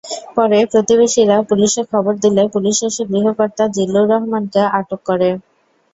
পরে প্রতিবেশীরা পুলিশে খবর দিলে পুলিশ এসে গৃহকর্তা জিল্লুর রহমানকে আটক করে।